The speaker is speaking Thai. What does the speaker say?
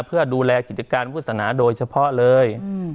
เพื่อดูแลกิจการวุฒนาโดยเฉพาะเลย